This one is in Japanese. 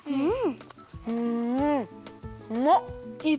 うん。